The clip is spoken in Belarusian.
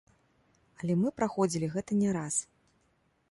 Але мы праходзілі гэта не раз.